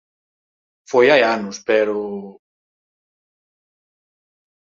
Foi hai anos, pero...